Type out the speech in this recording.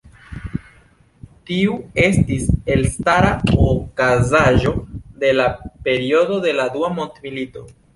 Tiu estis elstara okazaĵo de la periodo de la Dua Mondmilito.